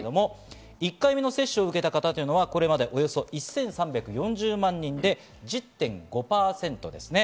１回目の接種を受けた方はこれまでおよそ１３４０万人で１０．５％です。